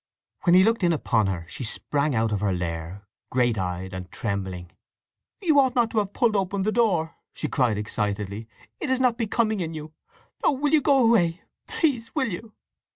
When he looked in upon her she sprang out of her lair, great eyed and trembling. "You ought not to have pulled open the door!" she cried excitedly. "It is not becoming in you! Oh, will you go away; please will you!"